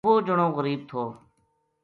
وہ جنو غریب تھو